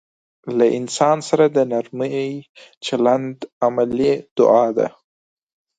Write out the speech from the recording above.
له انسان سره د نرمي چلند عملي دعا ده.